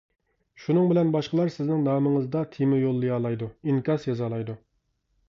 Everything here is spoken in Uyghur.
شۇنىڭ بىلەن باشقىلار سىزنىڭ نامىڭىزدا تېما يوللىيالايدۇ ئىنكاس يازالايدۇ.